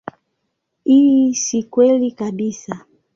Hii si kweli kabisa.